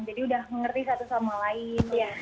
jadi udah mengerti satu sama lain